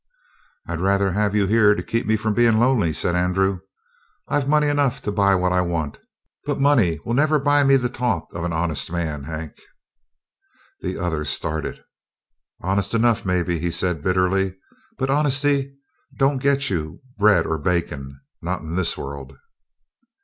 "I'd rather have you here to keep me from being lonely," said Andrew. "I've money enough to buy what I want, but money will never buy me the talk of an honest man, Hank." The other started. "Honest enough, maybe," he said bitterly. "But honesty don't get you bread or bacon, not in this world!"